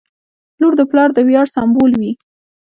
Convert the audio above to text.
• لور د پلار د ویاړ سمبول وي.